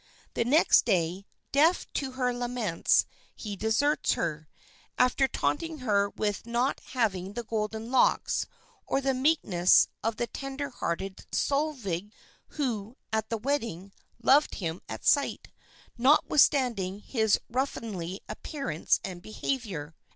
The next day, deaf to her laments, he deserts her, after taunting her with not having the golden locks or the meekness of the tender hearted Solvejg, who, at the wedding, loved him at sight, notwithstanding his ruffianly appearance and behavior.